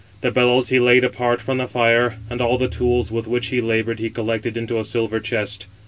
The bellows he laid apart from the fire, and all the tools with which he laboured he collected into a silver chest.